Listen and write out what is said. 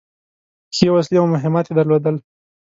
ښې وسلې او مهمات يې درلودل.